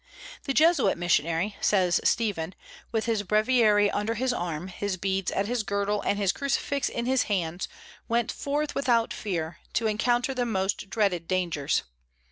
"The Jesuit missionary," says Stephen, "with his breviary under his arm, his beads at his girdle, and his crucifix in his hands, went forth without fear, to encounter the most dreaded dangers.